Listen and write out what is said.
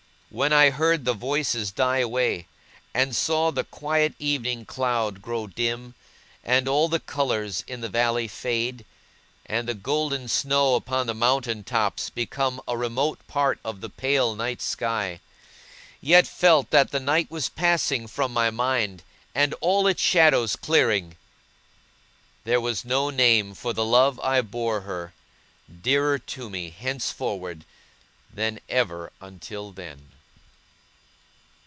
When I heard the voices die away, and saw the quiet evening cloud grow dim, and all the colours in the valley fade, and the golden snow upon the mountain tops become a remote part of the pale night sky, yet felt that the night was passing from my mind, and all its shadows clearing, there was no name for the love I bore her, dearer to me, henceforward, than ever until then.